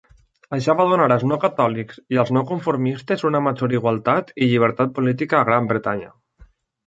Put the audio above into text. Això va donar als no catòlics i els no conformistes una major igualtat i llibertat política a Gran Bretanya.